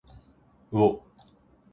うおっ。